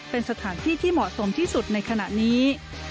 เป็นสถานที่ที่เหมาะสมที่สุดในขณะนี้